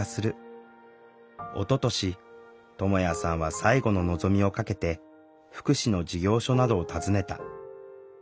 おととしともやさんは最後の望みをかけて福祉の事業所などを訪ねた。